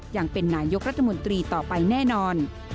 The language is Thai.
ยังเป็นนายกรัฐมนตรีต่อไปแน่นอน